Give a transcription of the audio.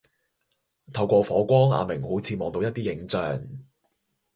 透過火光阿明好似望到一啲影像